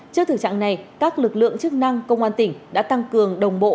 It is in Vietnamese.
trước thực trạng này các lực lượng chức năng công an tp hcm đã tăng cường đồng bộ